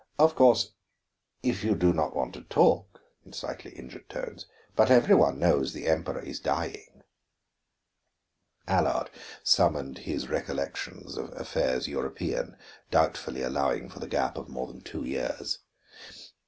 "Of course, if you do not want to talk," in slightly injured tones. "But every one knows that the Emperor is dying." Allard summoned his recollections of affairs European, doubtfully allowing for the gap of more than two years.